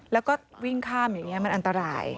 แล้วก็วิ่งข้ามอย่างนี้มันอันตราย